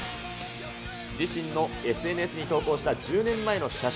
自身のＳＮＳに投稿した１０年前の写真。